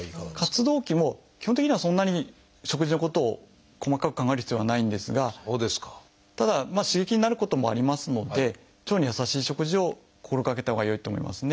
活動期も基本的にはそんなに食事のことを細かく考える必要はないんですがただ刺激になることもありますので腸に優しい食事を心がけたほうがよいと思いますね。